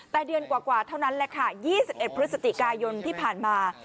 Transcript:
แต่เดือนกว่าเท่านั้นแหละค่ะ๒๑พฤศจิกายนที่ผ่านมา